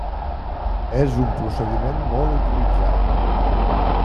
És un procediment molt utilitzat.